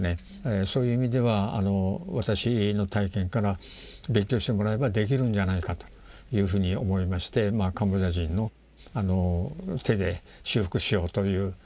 そういう意味では私の体験から勉強してもらえばできるんじゃないかというふうに思いましてカンボジア人の手で修復しようという。